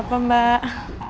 gak apa apa mbak